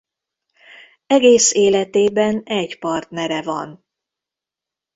Egész életében egy partnere van.